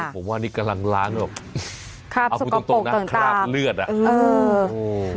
ผมว่านี่กำลังร้านอ่ะครับสกปรกต่างคราบเลือดอ่ะ